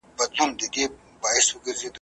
نه پسرلی نه مو ګېډۍ نه مو باغوان ولیدی `